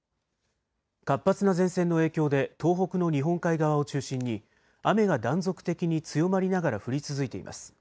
活発な前線の影響で東北の日本海側を中心に雨が断続的に強まりながら降り続いています。